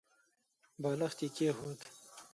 بالښت يې کېښود.